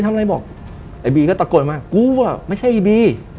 ไอบีมิก็ตะโกนมาอ๋อไปกูไม่ใช่อีบี